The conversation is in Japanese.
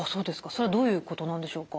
それはどういうことなんでしょうか？